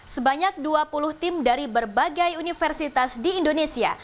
sebanyak dua puluh tim dari berbagai universitas di indonesia